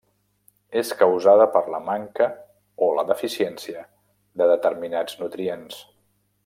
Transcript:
És causada per la manca o la deficiència de determinats nutrients.